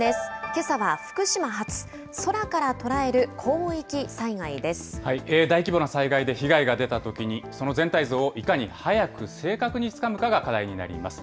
けさは福島発、空から捉える広域災大規模な災害で被害が出たときに、その全体像をいかに早く正確につかむかが課題になります。